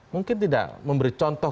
mungkin tidak memberi contoh